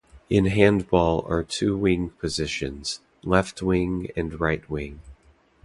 In Handball are two wing positions: left wing and right wing.